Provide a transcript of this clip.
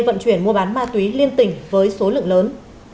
vận chuyển mua bán ma túy liên tỉnh với số lượng lớn